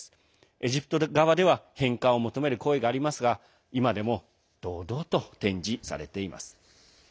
エジプト側では返還を求める声がありますが今でも堂々と展示されています。